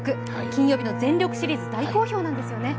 金曜日の「全力シリーズ」大好評なんですよね。